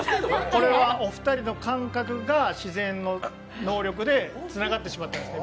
これはお二人の感覚が自然の能力でつながってしまったんですね。